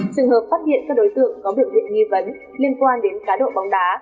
trường hợp phát hiện các đối tượng có biểu hiện nghi vấn liên quan đến cá độ bóng đá